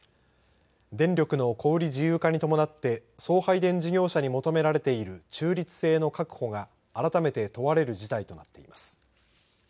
電力の小売自由化に伴って送配電事業者に求められている中立性の確保が改めて問われる事態となっています。